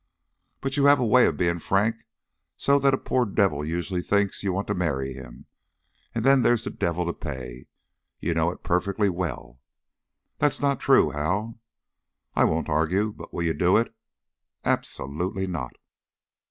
"But you have a way of being frank so that a poor devil usually thinks you want to marry him, and then there's the devil to pay. You know it perfectly well." "That's not true, Hal!" "I won't argue. But will you do it?" "Absolutely not!"